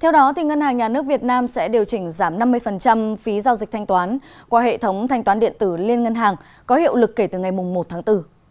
theo đó ngân hàng nhà nước việt nam sẽ điều chỉnh giảm năm mươi phí giao dịch thanh toán qua hệ thống thanh toán điện tử liên ngân hàng có hiệu lực kể từ ngày một tháng bốn